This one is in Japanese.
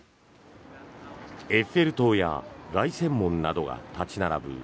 エッフェル塔や凱旋門などが立ち並ぶ